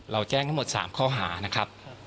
เราแจ้งทั้งหมดสามข้อหานะครับ